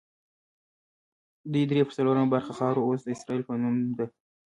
دې درې پر څلورمه برخه خاوره اوس د اسرائیل په نوم ده.